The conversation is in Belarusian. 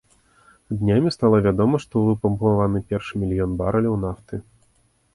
Днямі стала вядома, што выпампаваны першы мільён барэляў нафты.